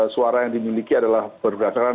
suara yang dimiliki adalah berdasarkan